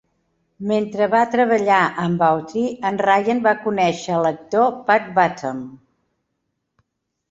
Mentre va treballar amb Autry, en Ryan va conèixer a l'actor Pat Buttram.